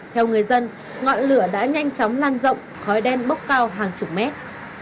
theo người dân ngọn lửa đã nhanh chóng lan rộng khói đen bốc cao hàng chục mét